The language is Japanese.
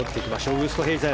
ウーストヘイゼン。